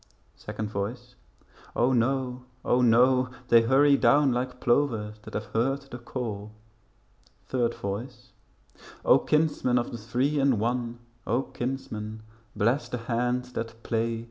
Second Voice O no, O no, they hurry down Like plovers that have heard the call. Third Voice O, kinsmen of the Three in One, O, kinsmen bless the hands that play.